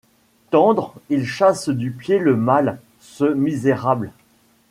Tendre, il chasse du pied le mal, ce misérable :